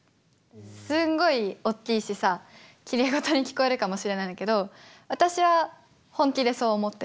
すんごい大きいしさきれい事に聞こえるかもしれないんだけど私は本気でそう思ってて。